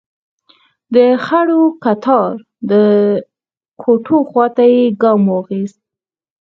د خړو کتار کوټو خواته يې ګام واخيست.